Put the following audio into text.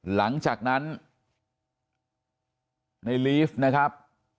หลังจากนั้นในลีฟนะครับ